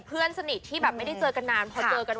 เพื่อนสนิทที่แบบไม่ได้เจอกันนานพอเจอกัน